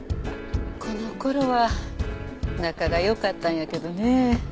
この頃は仲が良かったんやけどねえ。